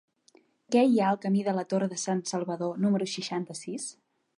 Què hi ha al camí de la Torre de Sansalvador número seixanta-sis?